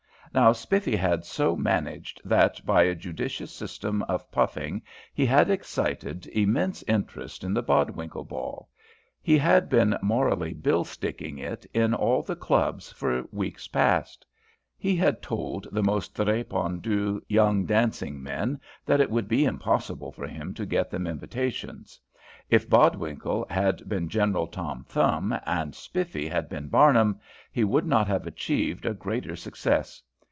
Now Spiffy had so managed, that by a judicious system of puffing he had excited immense interest in the Bodwinkle ball he had been morally bill sticking it in all the clubs for weeks past. He had told the most répandu young dancing men that it would be impossible for him to get them invitations. If Bodwinkle had been General Tom Thumb, and Spiffy had been Barnum, he could not have achieved a greater success.